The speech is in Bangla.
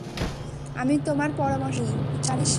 আমি তোমার পরামর্শ চাইনি, ইকারিস।